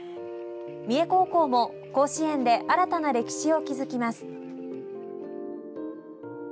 三重高校も甲子園で新たな歴史を築きます。